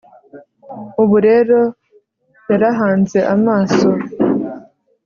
ubu rero yarahanze amaso